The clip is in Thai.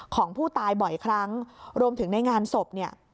ของผู้ตายบ่อยครั้งรวมถึงในงานศพเนี่ย